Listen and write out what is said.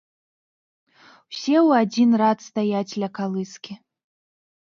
Усе ў адзін рад стаяць ля калыскі.